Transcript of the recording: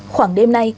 khoảng đêm nay